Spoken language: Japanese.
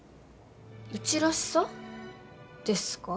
うちらしさですか？